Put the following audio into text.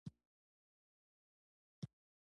د ملګرو ملتونو د کړو وړو شرحه کیږي.